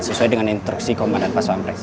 sesuai dengan instruksi komandan pas pampres